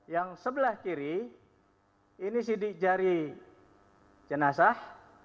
yang sebelah kiri ini sidik jari jenazah